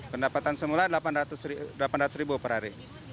pendapatan semula delapan ratus ribu per hari